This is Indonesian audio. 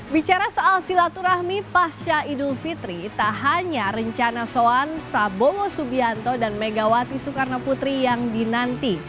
bicara soal silaturahmi pasca idul fitri tak hanya rencana soan prabowo subianto dan megawati soekarno putri yang dinanti